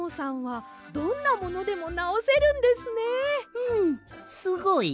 うんすごい？